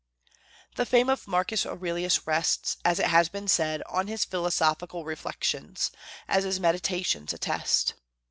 The fame of Marcus Aurelius rests, as it has been said, on his philosophical reflections, as his "Meditations" attest.